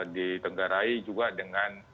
di tenggarai juga dengan